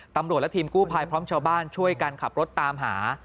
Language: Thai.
ตำรวจและทีมกู้ภัยพร้อมชาวบ้านช่วยกันขับรถตามหา